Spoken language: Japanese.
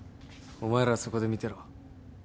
お前らはそこで見てろ。